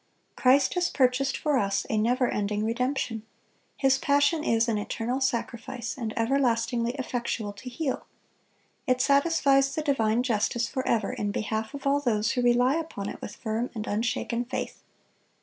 (254) "Christ ... has purchased for us a never ending redemption ... His passion is ... an eternal sacrifice, and everlastingly effectual to heal; it satisfies the divine justice forever in behalf of all those who rely upon it with firm and unshaken faith."